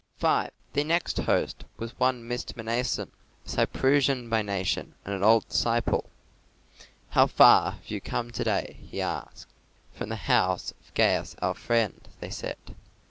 5. Their next host was one Mr. Mnason, a Cyprusian by nation, and an old disciple. "How far have you come to day?" he asked. "From the house of Gaius our friend," they said.